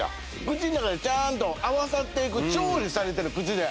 口の中でちゃんと合わさっていく調理されてる口で。